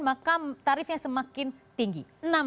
maka tarifnya semakin tinggi